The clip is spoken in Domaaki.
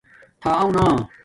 تھݳ اَݸ نݳ؟